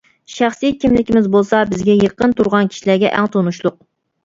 شەخسىي كىملىكىمىز بولسا بىزگە يېقىن تۇرغان كىشىلەرگە ئەڭ تونۇشلۇق.